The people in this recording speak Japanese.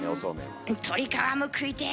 鶏皮も食いてえ。